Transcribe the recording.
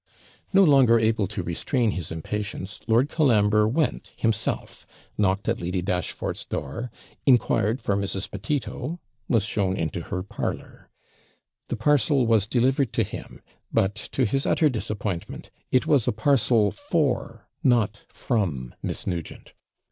No longer able to restrain his impatience, Lord Colambre went himself knocked at Lady Dashfort's door inquired for Mrs. Petito was shown into her parlour. The parcel was delivered to him; but to his utter disappointment, it was a parcel FOR, not FROM Miss Nugent.